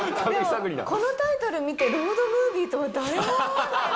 このタイトル見て、ロードムービーとは誰も思わない。